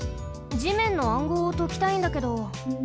地面の暗号をときたいんだけど。